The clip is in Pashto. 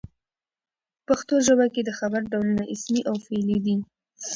په پښتو ژبه کښي د خبر ډولونه اسمي او فعلي دي.